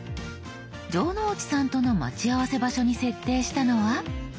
城之内さんとの待ち合わせ場所に設定したのは。